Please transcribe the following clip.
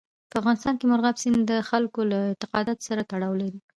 په افغانستان کې مورغاب سیند د خلکو له اعتقاداتو سره تړاو لري.